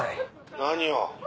何を？